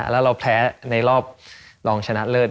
แล้วเราแพ้ในรอบรองชนะเลิศ